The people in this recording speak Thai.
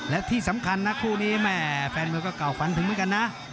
และที่สำคัญนะคู่นี้แม่แฟนมวยก็เก่าฝันถึงเหมือนกันนะ